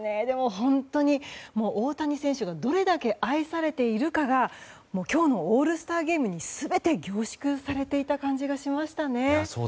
本当に大谷選手がどれだけ愛されているかが今日のオールスターゲームに全て凝縮されていた感じがしましたね。